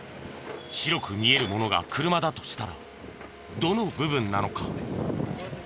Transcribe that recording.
白く見えるものが車だとしたらどの部分なのか？